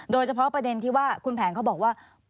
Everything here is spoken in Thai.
โดยเฉพาะประเด็นที่ว่าคุณแผนเขาบอกว่า